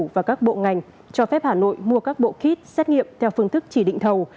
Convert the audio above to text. và các bộ ngành cho phép hà nội mua các bộ kit xét nghiệm theo phương thức chỉ định thầu